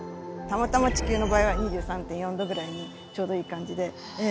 たまたま地球の場合は２３．４度ぐらいにちょうどいい感じで。